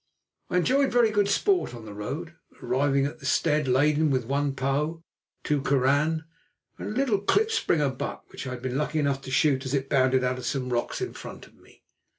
I enjoyed very good sport on the road, arriving at the stead laden with one pauw, two koran, and a little klipspringer buck which I had been lucky enough to shoot as it bounded out of some rocks in front of me.